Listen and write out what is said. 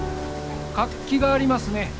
活気がありますね。